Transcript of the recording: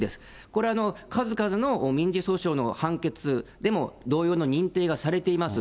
これは数々の民事訴訟の判決でも同様の認定がされています。